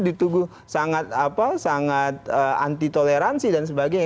ditunggu sangat anti toleransi dan sebagainya